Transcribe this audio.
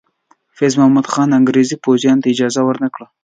فیض محمد خان انګریزي پوځیانو ته اجازه ور نه کړه.